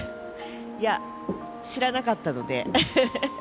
いや、知らなかったので。